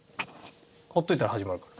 ほっといたら始まるから。